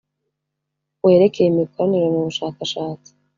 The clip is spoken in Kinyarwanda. werekeye imikoranire mu bushakashatsi